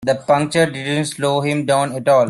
The puncture didn't slow him down at all.